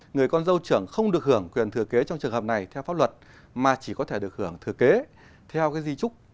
người con dâu trưởng không được hưởng quyền thừa kế trong trường hợp này theo pháp luật mà chỉ có thể được hưởng thừa kế theo di trúc